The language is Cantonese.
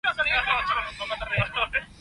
人皆生而自由